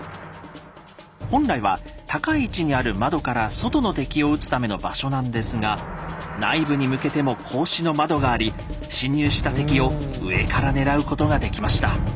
本来は高い位置にある窓から外の敵を撃つための場所なんですが内部に向けても格子の窓があり侵入した敵を上から狙うことができました。